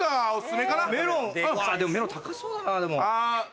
でもメロン高そうだな。